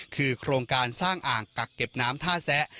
คือโครงการสร้างอ่างกักเก็บน้ำท่าแซะ